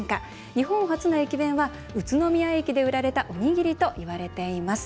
日本初の駅弁は宇都宮駅で売られたおにぎりといわれています。